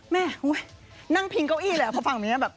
แม่นั่งพิงเก้าอี้แหละพอฟังอย่างนี้แบบจริงเหรอ